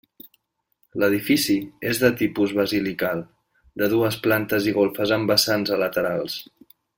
L’edifici és de tipus basilical, de dues plantes i golfes amb vessants a laterals.